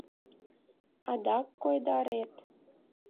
Адак койдарет!